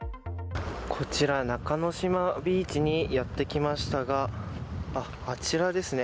こちら、中の島ビーチにやって来ましたがあちらですね。